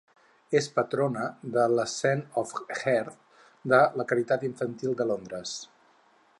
És patrona de la Scene and Heard de la Caritat infantil de Londres.